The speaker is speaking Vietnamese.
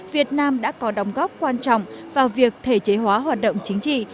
việt nam đã có đóng góp quan trọng vào việc thể chế hóa hoạt động chính trị